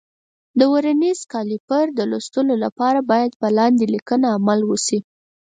د ورنیز کالیپر د لوستلو لپاره باید په لاندې لیکنه عمل وشي.